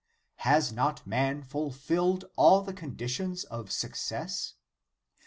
Has not man fulfilled all the conditions of success?